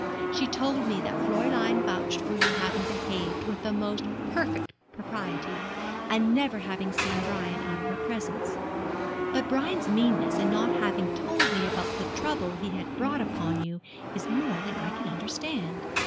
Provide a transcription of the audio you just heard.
She told me that Fräulein vouched for your having behaved with the most perfect propriety, and never having seen Brian out of her presence; but Brian's meanness in not having told me about the trouble he had brought upon you is more than I can understand.